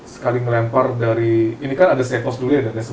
sekali ngelempar dari ini kan ada setos dulu ya